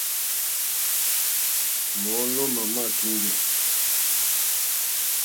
Mɔ́ɔ̌lɔ̀ má má kíŋɡɛ̀.